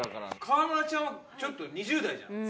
河邑ちゃんはちょっと２０代じゃん。